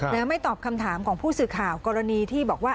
แล้วไม่ตอบคำถามของผู้สื่อข่าวกรณีที่บอกว่า